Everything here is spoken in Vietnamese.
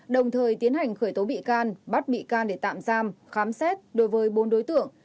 đồng thời tiến hành khởi tố bị can bắt bị can để tạm giam khám xét đối với bốn đối tượng